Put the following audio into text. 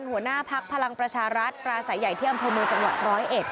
ผู้หัวหน้าภักรณ์ภารังประชารัฐปราศัยใหญ่ที่อำเภอมูลส่วน๑๐๑